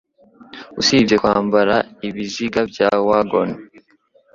Usibye kwambara ibiziga bya wagon